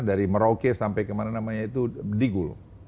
dari merauke sampai ke mana namanya itu digul